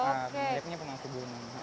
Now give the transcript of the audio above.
niliknya pemangku bunuh